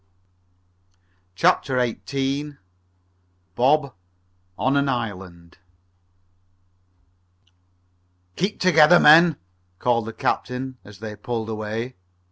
CHAPTER XVIII BOB ON AN ISLAND "Keep together, men!" called the captain, as they pulled away.